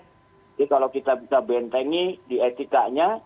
jadi kalau kita bentengi di etikanya